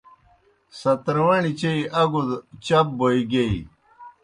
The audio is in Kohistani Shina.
ستروݨیْ چیئی اکوْ دہ چپ بوئے گیئی۔